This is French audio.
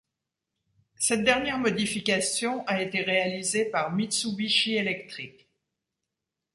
Cette dernière modification a été réalisée par Mitsubishi Electric.